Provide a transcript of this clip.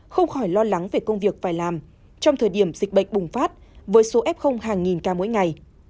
không khỏi lo lắng về công việc phải làm trong thời điểm dịch bệnh bùng phát với số f hàng nghìn ca mỗi ngày